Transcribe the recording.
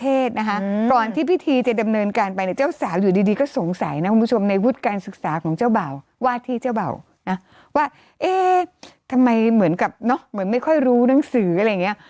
เอ๊ะทำไมเหมือนกับเหมือนไม่ค่อยรู้หนังสืออะไรอย่างนี้